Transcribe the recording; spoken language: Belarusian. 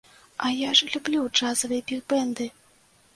А я ж люблю джазавыя біг-бэнды!